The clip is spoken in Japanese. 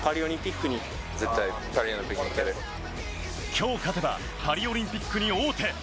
きょう勝てば、パリオリンピックに王手。